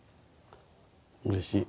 うれしい。